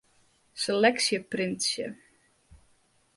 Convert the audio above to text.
Seleksje printsje.